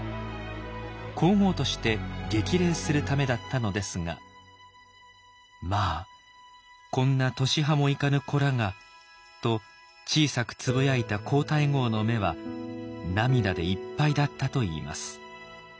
皇后として激励するためだったのですが「まあこんな年端も行かぬ子らが」と小さくつぶやいた皇太后の目は涙でいっぱいだったといいます。